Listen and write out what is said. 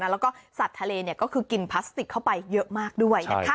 แล้วก็สัตว์ทะเลก็คือกินพลาสติกเข้าไปเยอะมากด้วย